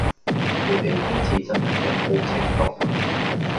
佢地呢次真係一鋪清袋